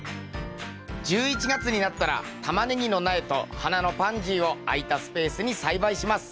１１月になったらタマネギの苗と花のパンジーを空いたスペースに栽培します。